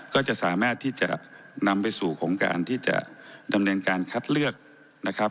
ก็จะสามารถที่จะนำไปสู่ของการที่จะดำเนินการคัดเลือกนะครับ